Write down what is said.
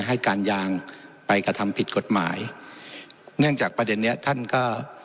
ให้การยางไปกระทำผิดกฎหมายเนื่องจากประเด็นเนี้ยท่านก็